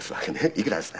いくらですか？